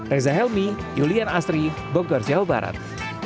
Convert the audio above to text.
reza helmy yulian asri bogor jawa barat